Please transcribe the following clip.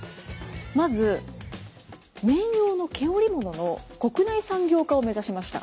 まず綿羊の毛織物の国内産業化を目指しました。